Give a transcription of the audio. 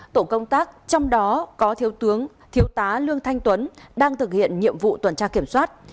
tổ công tác trong đó có thiếu tướng thiếu tá lương thanh tuấn đang thực hiện nhiệm vụ tuần tra kiểm soát